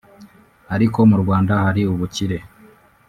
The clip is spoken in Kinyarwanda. ariko mu Rwanda hari ubukire